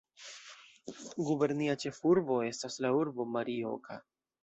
Gubernia ĉefurbo estas la urbo Morioka.